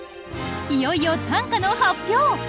いよいよ短歌の発表！